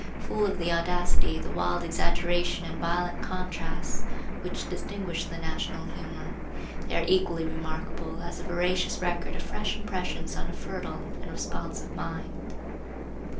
Full of the audacity, the wild exaggeration and violent contrasts which distinguish the National humor, they are equally remarkable as the veracious record of fresh impressions on a fertile and responsive mind.